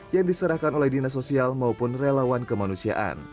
yang diserahkan oleh dinas sosial maupun relawan kemanusiaan